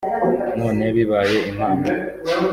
none bibaye impamo